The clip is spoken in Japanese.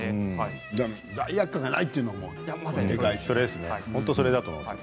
罪悪感がないというのもいいですね。